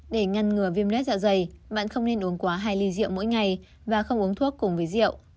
để ngăn ngừa viêm lết dạ dày bạn không nên uống quá hai ly rượu mỗi ngày và không uống thuốc cùng với rượu